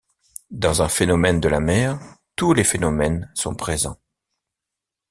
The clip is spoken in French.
Dans un phénomène de la mer, tous les phénomènes sont présents.